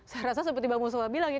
saya rasa seperti bang musuhwa bilang ya